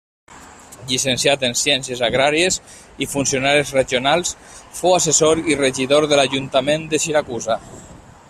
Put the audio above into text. Llicenciat en ciències agràries i funcionaris regionals, fou assessor i regidor de l'ajuntament de Siracusa.